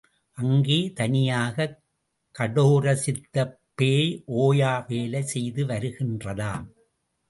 அங்கே தனியாகக் கடோரசித்தப் பேய் ஓயா வேலை செய்து வருகின்றதாம்.